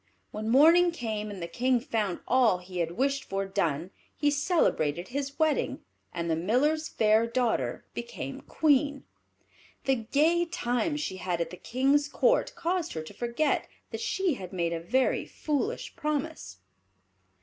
When morning came, and the King found all he had wished for done, he celebrated his wedding, and the Miller's fair daughter became Queen. The gay times she had at the King's Court caused her to forget that she had made a very foolish promise.